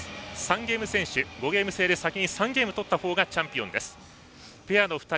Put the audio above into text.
３ゲーム先取５ゲーム制で先に３ゲーム取ったほうがチャンピオンです。